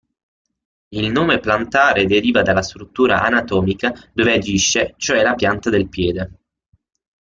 Il nome plantare deriva dalla struttura anatomica dove agisce, cioè la pianta del piede.